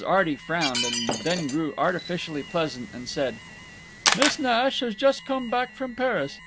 Arty frowned, then grew artificially pleasant and said: "Miss Nash has just come back from Paris.